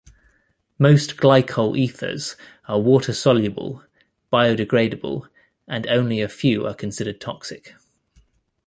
Most glycol ethers are water-soluble, biodegradable and only a few are considered toxic.